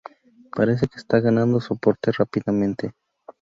Parece que está ganando soporte rápidamente".